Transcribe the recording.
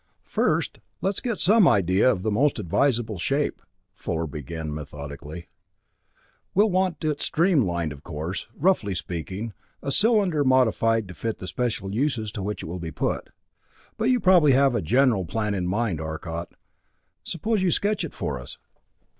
"First, let's get some idea of the most advisable shape," Fuller began methodically. "We'll want it streamlined, of course; roughly speaking, a cylinder modified to fit the special uses to which it will be put. But you probably have a general plan in mind, Arcot. Suppose you sketch it for us."